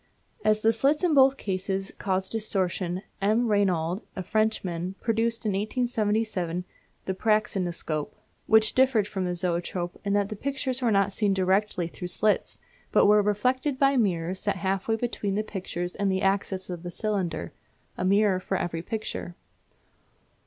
As the slit in both cases caused distortion M. Reynaud, a Frenchman, produced in 1877 the praxinoscope, which differed from the zoetrope in that the pictures were not seen directly through slits, but were reflected by mirrors set half way between the pictures and the axis of the cylinder, a mirror for every picture.